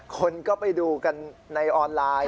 คนก็ไปดูกันในออนไลน์